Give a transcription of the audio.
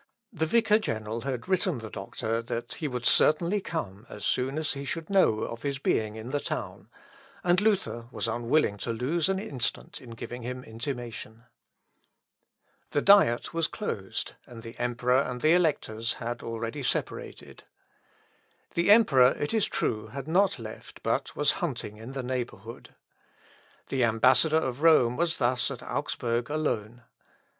The vicar general had written the doctor, that he would certainly come as soon as he should know of his being in the town, and Luther was unwilling to lose an instant in giving him intimation. Luth. Ep. i, p. 144. The Diet was closed, and the Emperor and the electors had already separated. The Emperor, it is true, had not left but was hunting in the neighbourhood. The ambassador of Rome was thus at Augsburg alone.